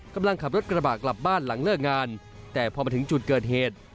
กำลังขับรถกระบะกลับบ้านหลังเลิกงานแต่พอมาถึงจุดเกิดเหตุ